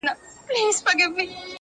• د همدې چوخې په زور لنګرچلیږي ,